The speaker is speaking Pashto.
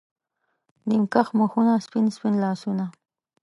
نیم کښ مخونه، سپین، سپین لاسونه